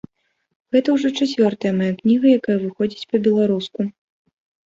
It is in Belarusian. Гэта ўжо чацвёртая мая кніга, якая выходзіць па-беларуску.